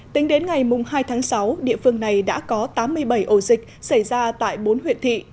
tính đến ngày hai tháng sáu địa phương này đã có tám mươi bảy ổ dịch xảy ra tại bốn huyện thị